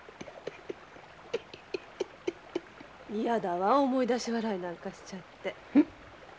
嫌だわ思い出し笑いなんかしちゃって。